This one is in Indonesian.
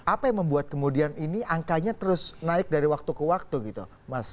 apa yang membuat kemudian ini angkanya terus naik dari waktu ke waktu gitu mas